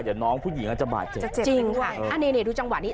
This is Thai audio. เดี๋ยวน้องผู้หญิงอาจจะบาดเจ็บจะเจ็บจริงค่ะอันนี้นี่ดูจังหวะนี้